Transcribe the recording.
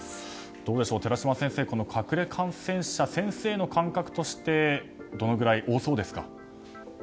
どうでしょう、寺嶋先生この隠れ感染者先生の感覚としてどのくらい多そうですか？